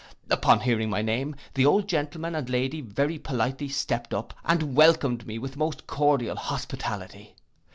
Upon hearing my name, the old gentleman and lady very politely stept up, and welcomed me with most cordial hospitality.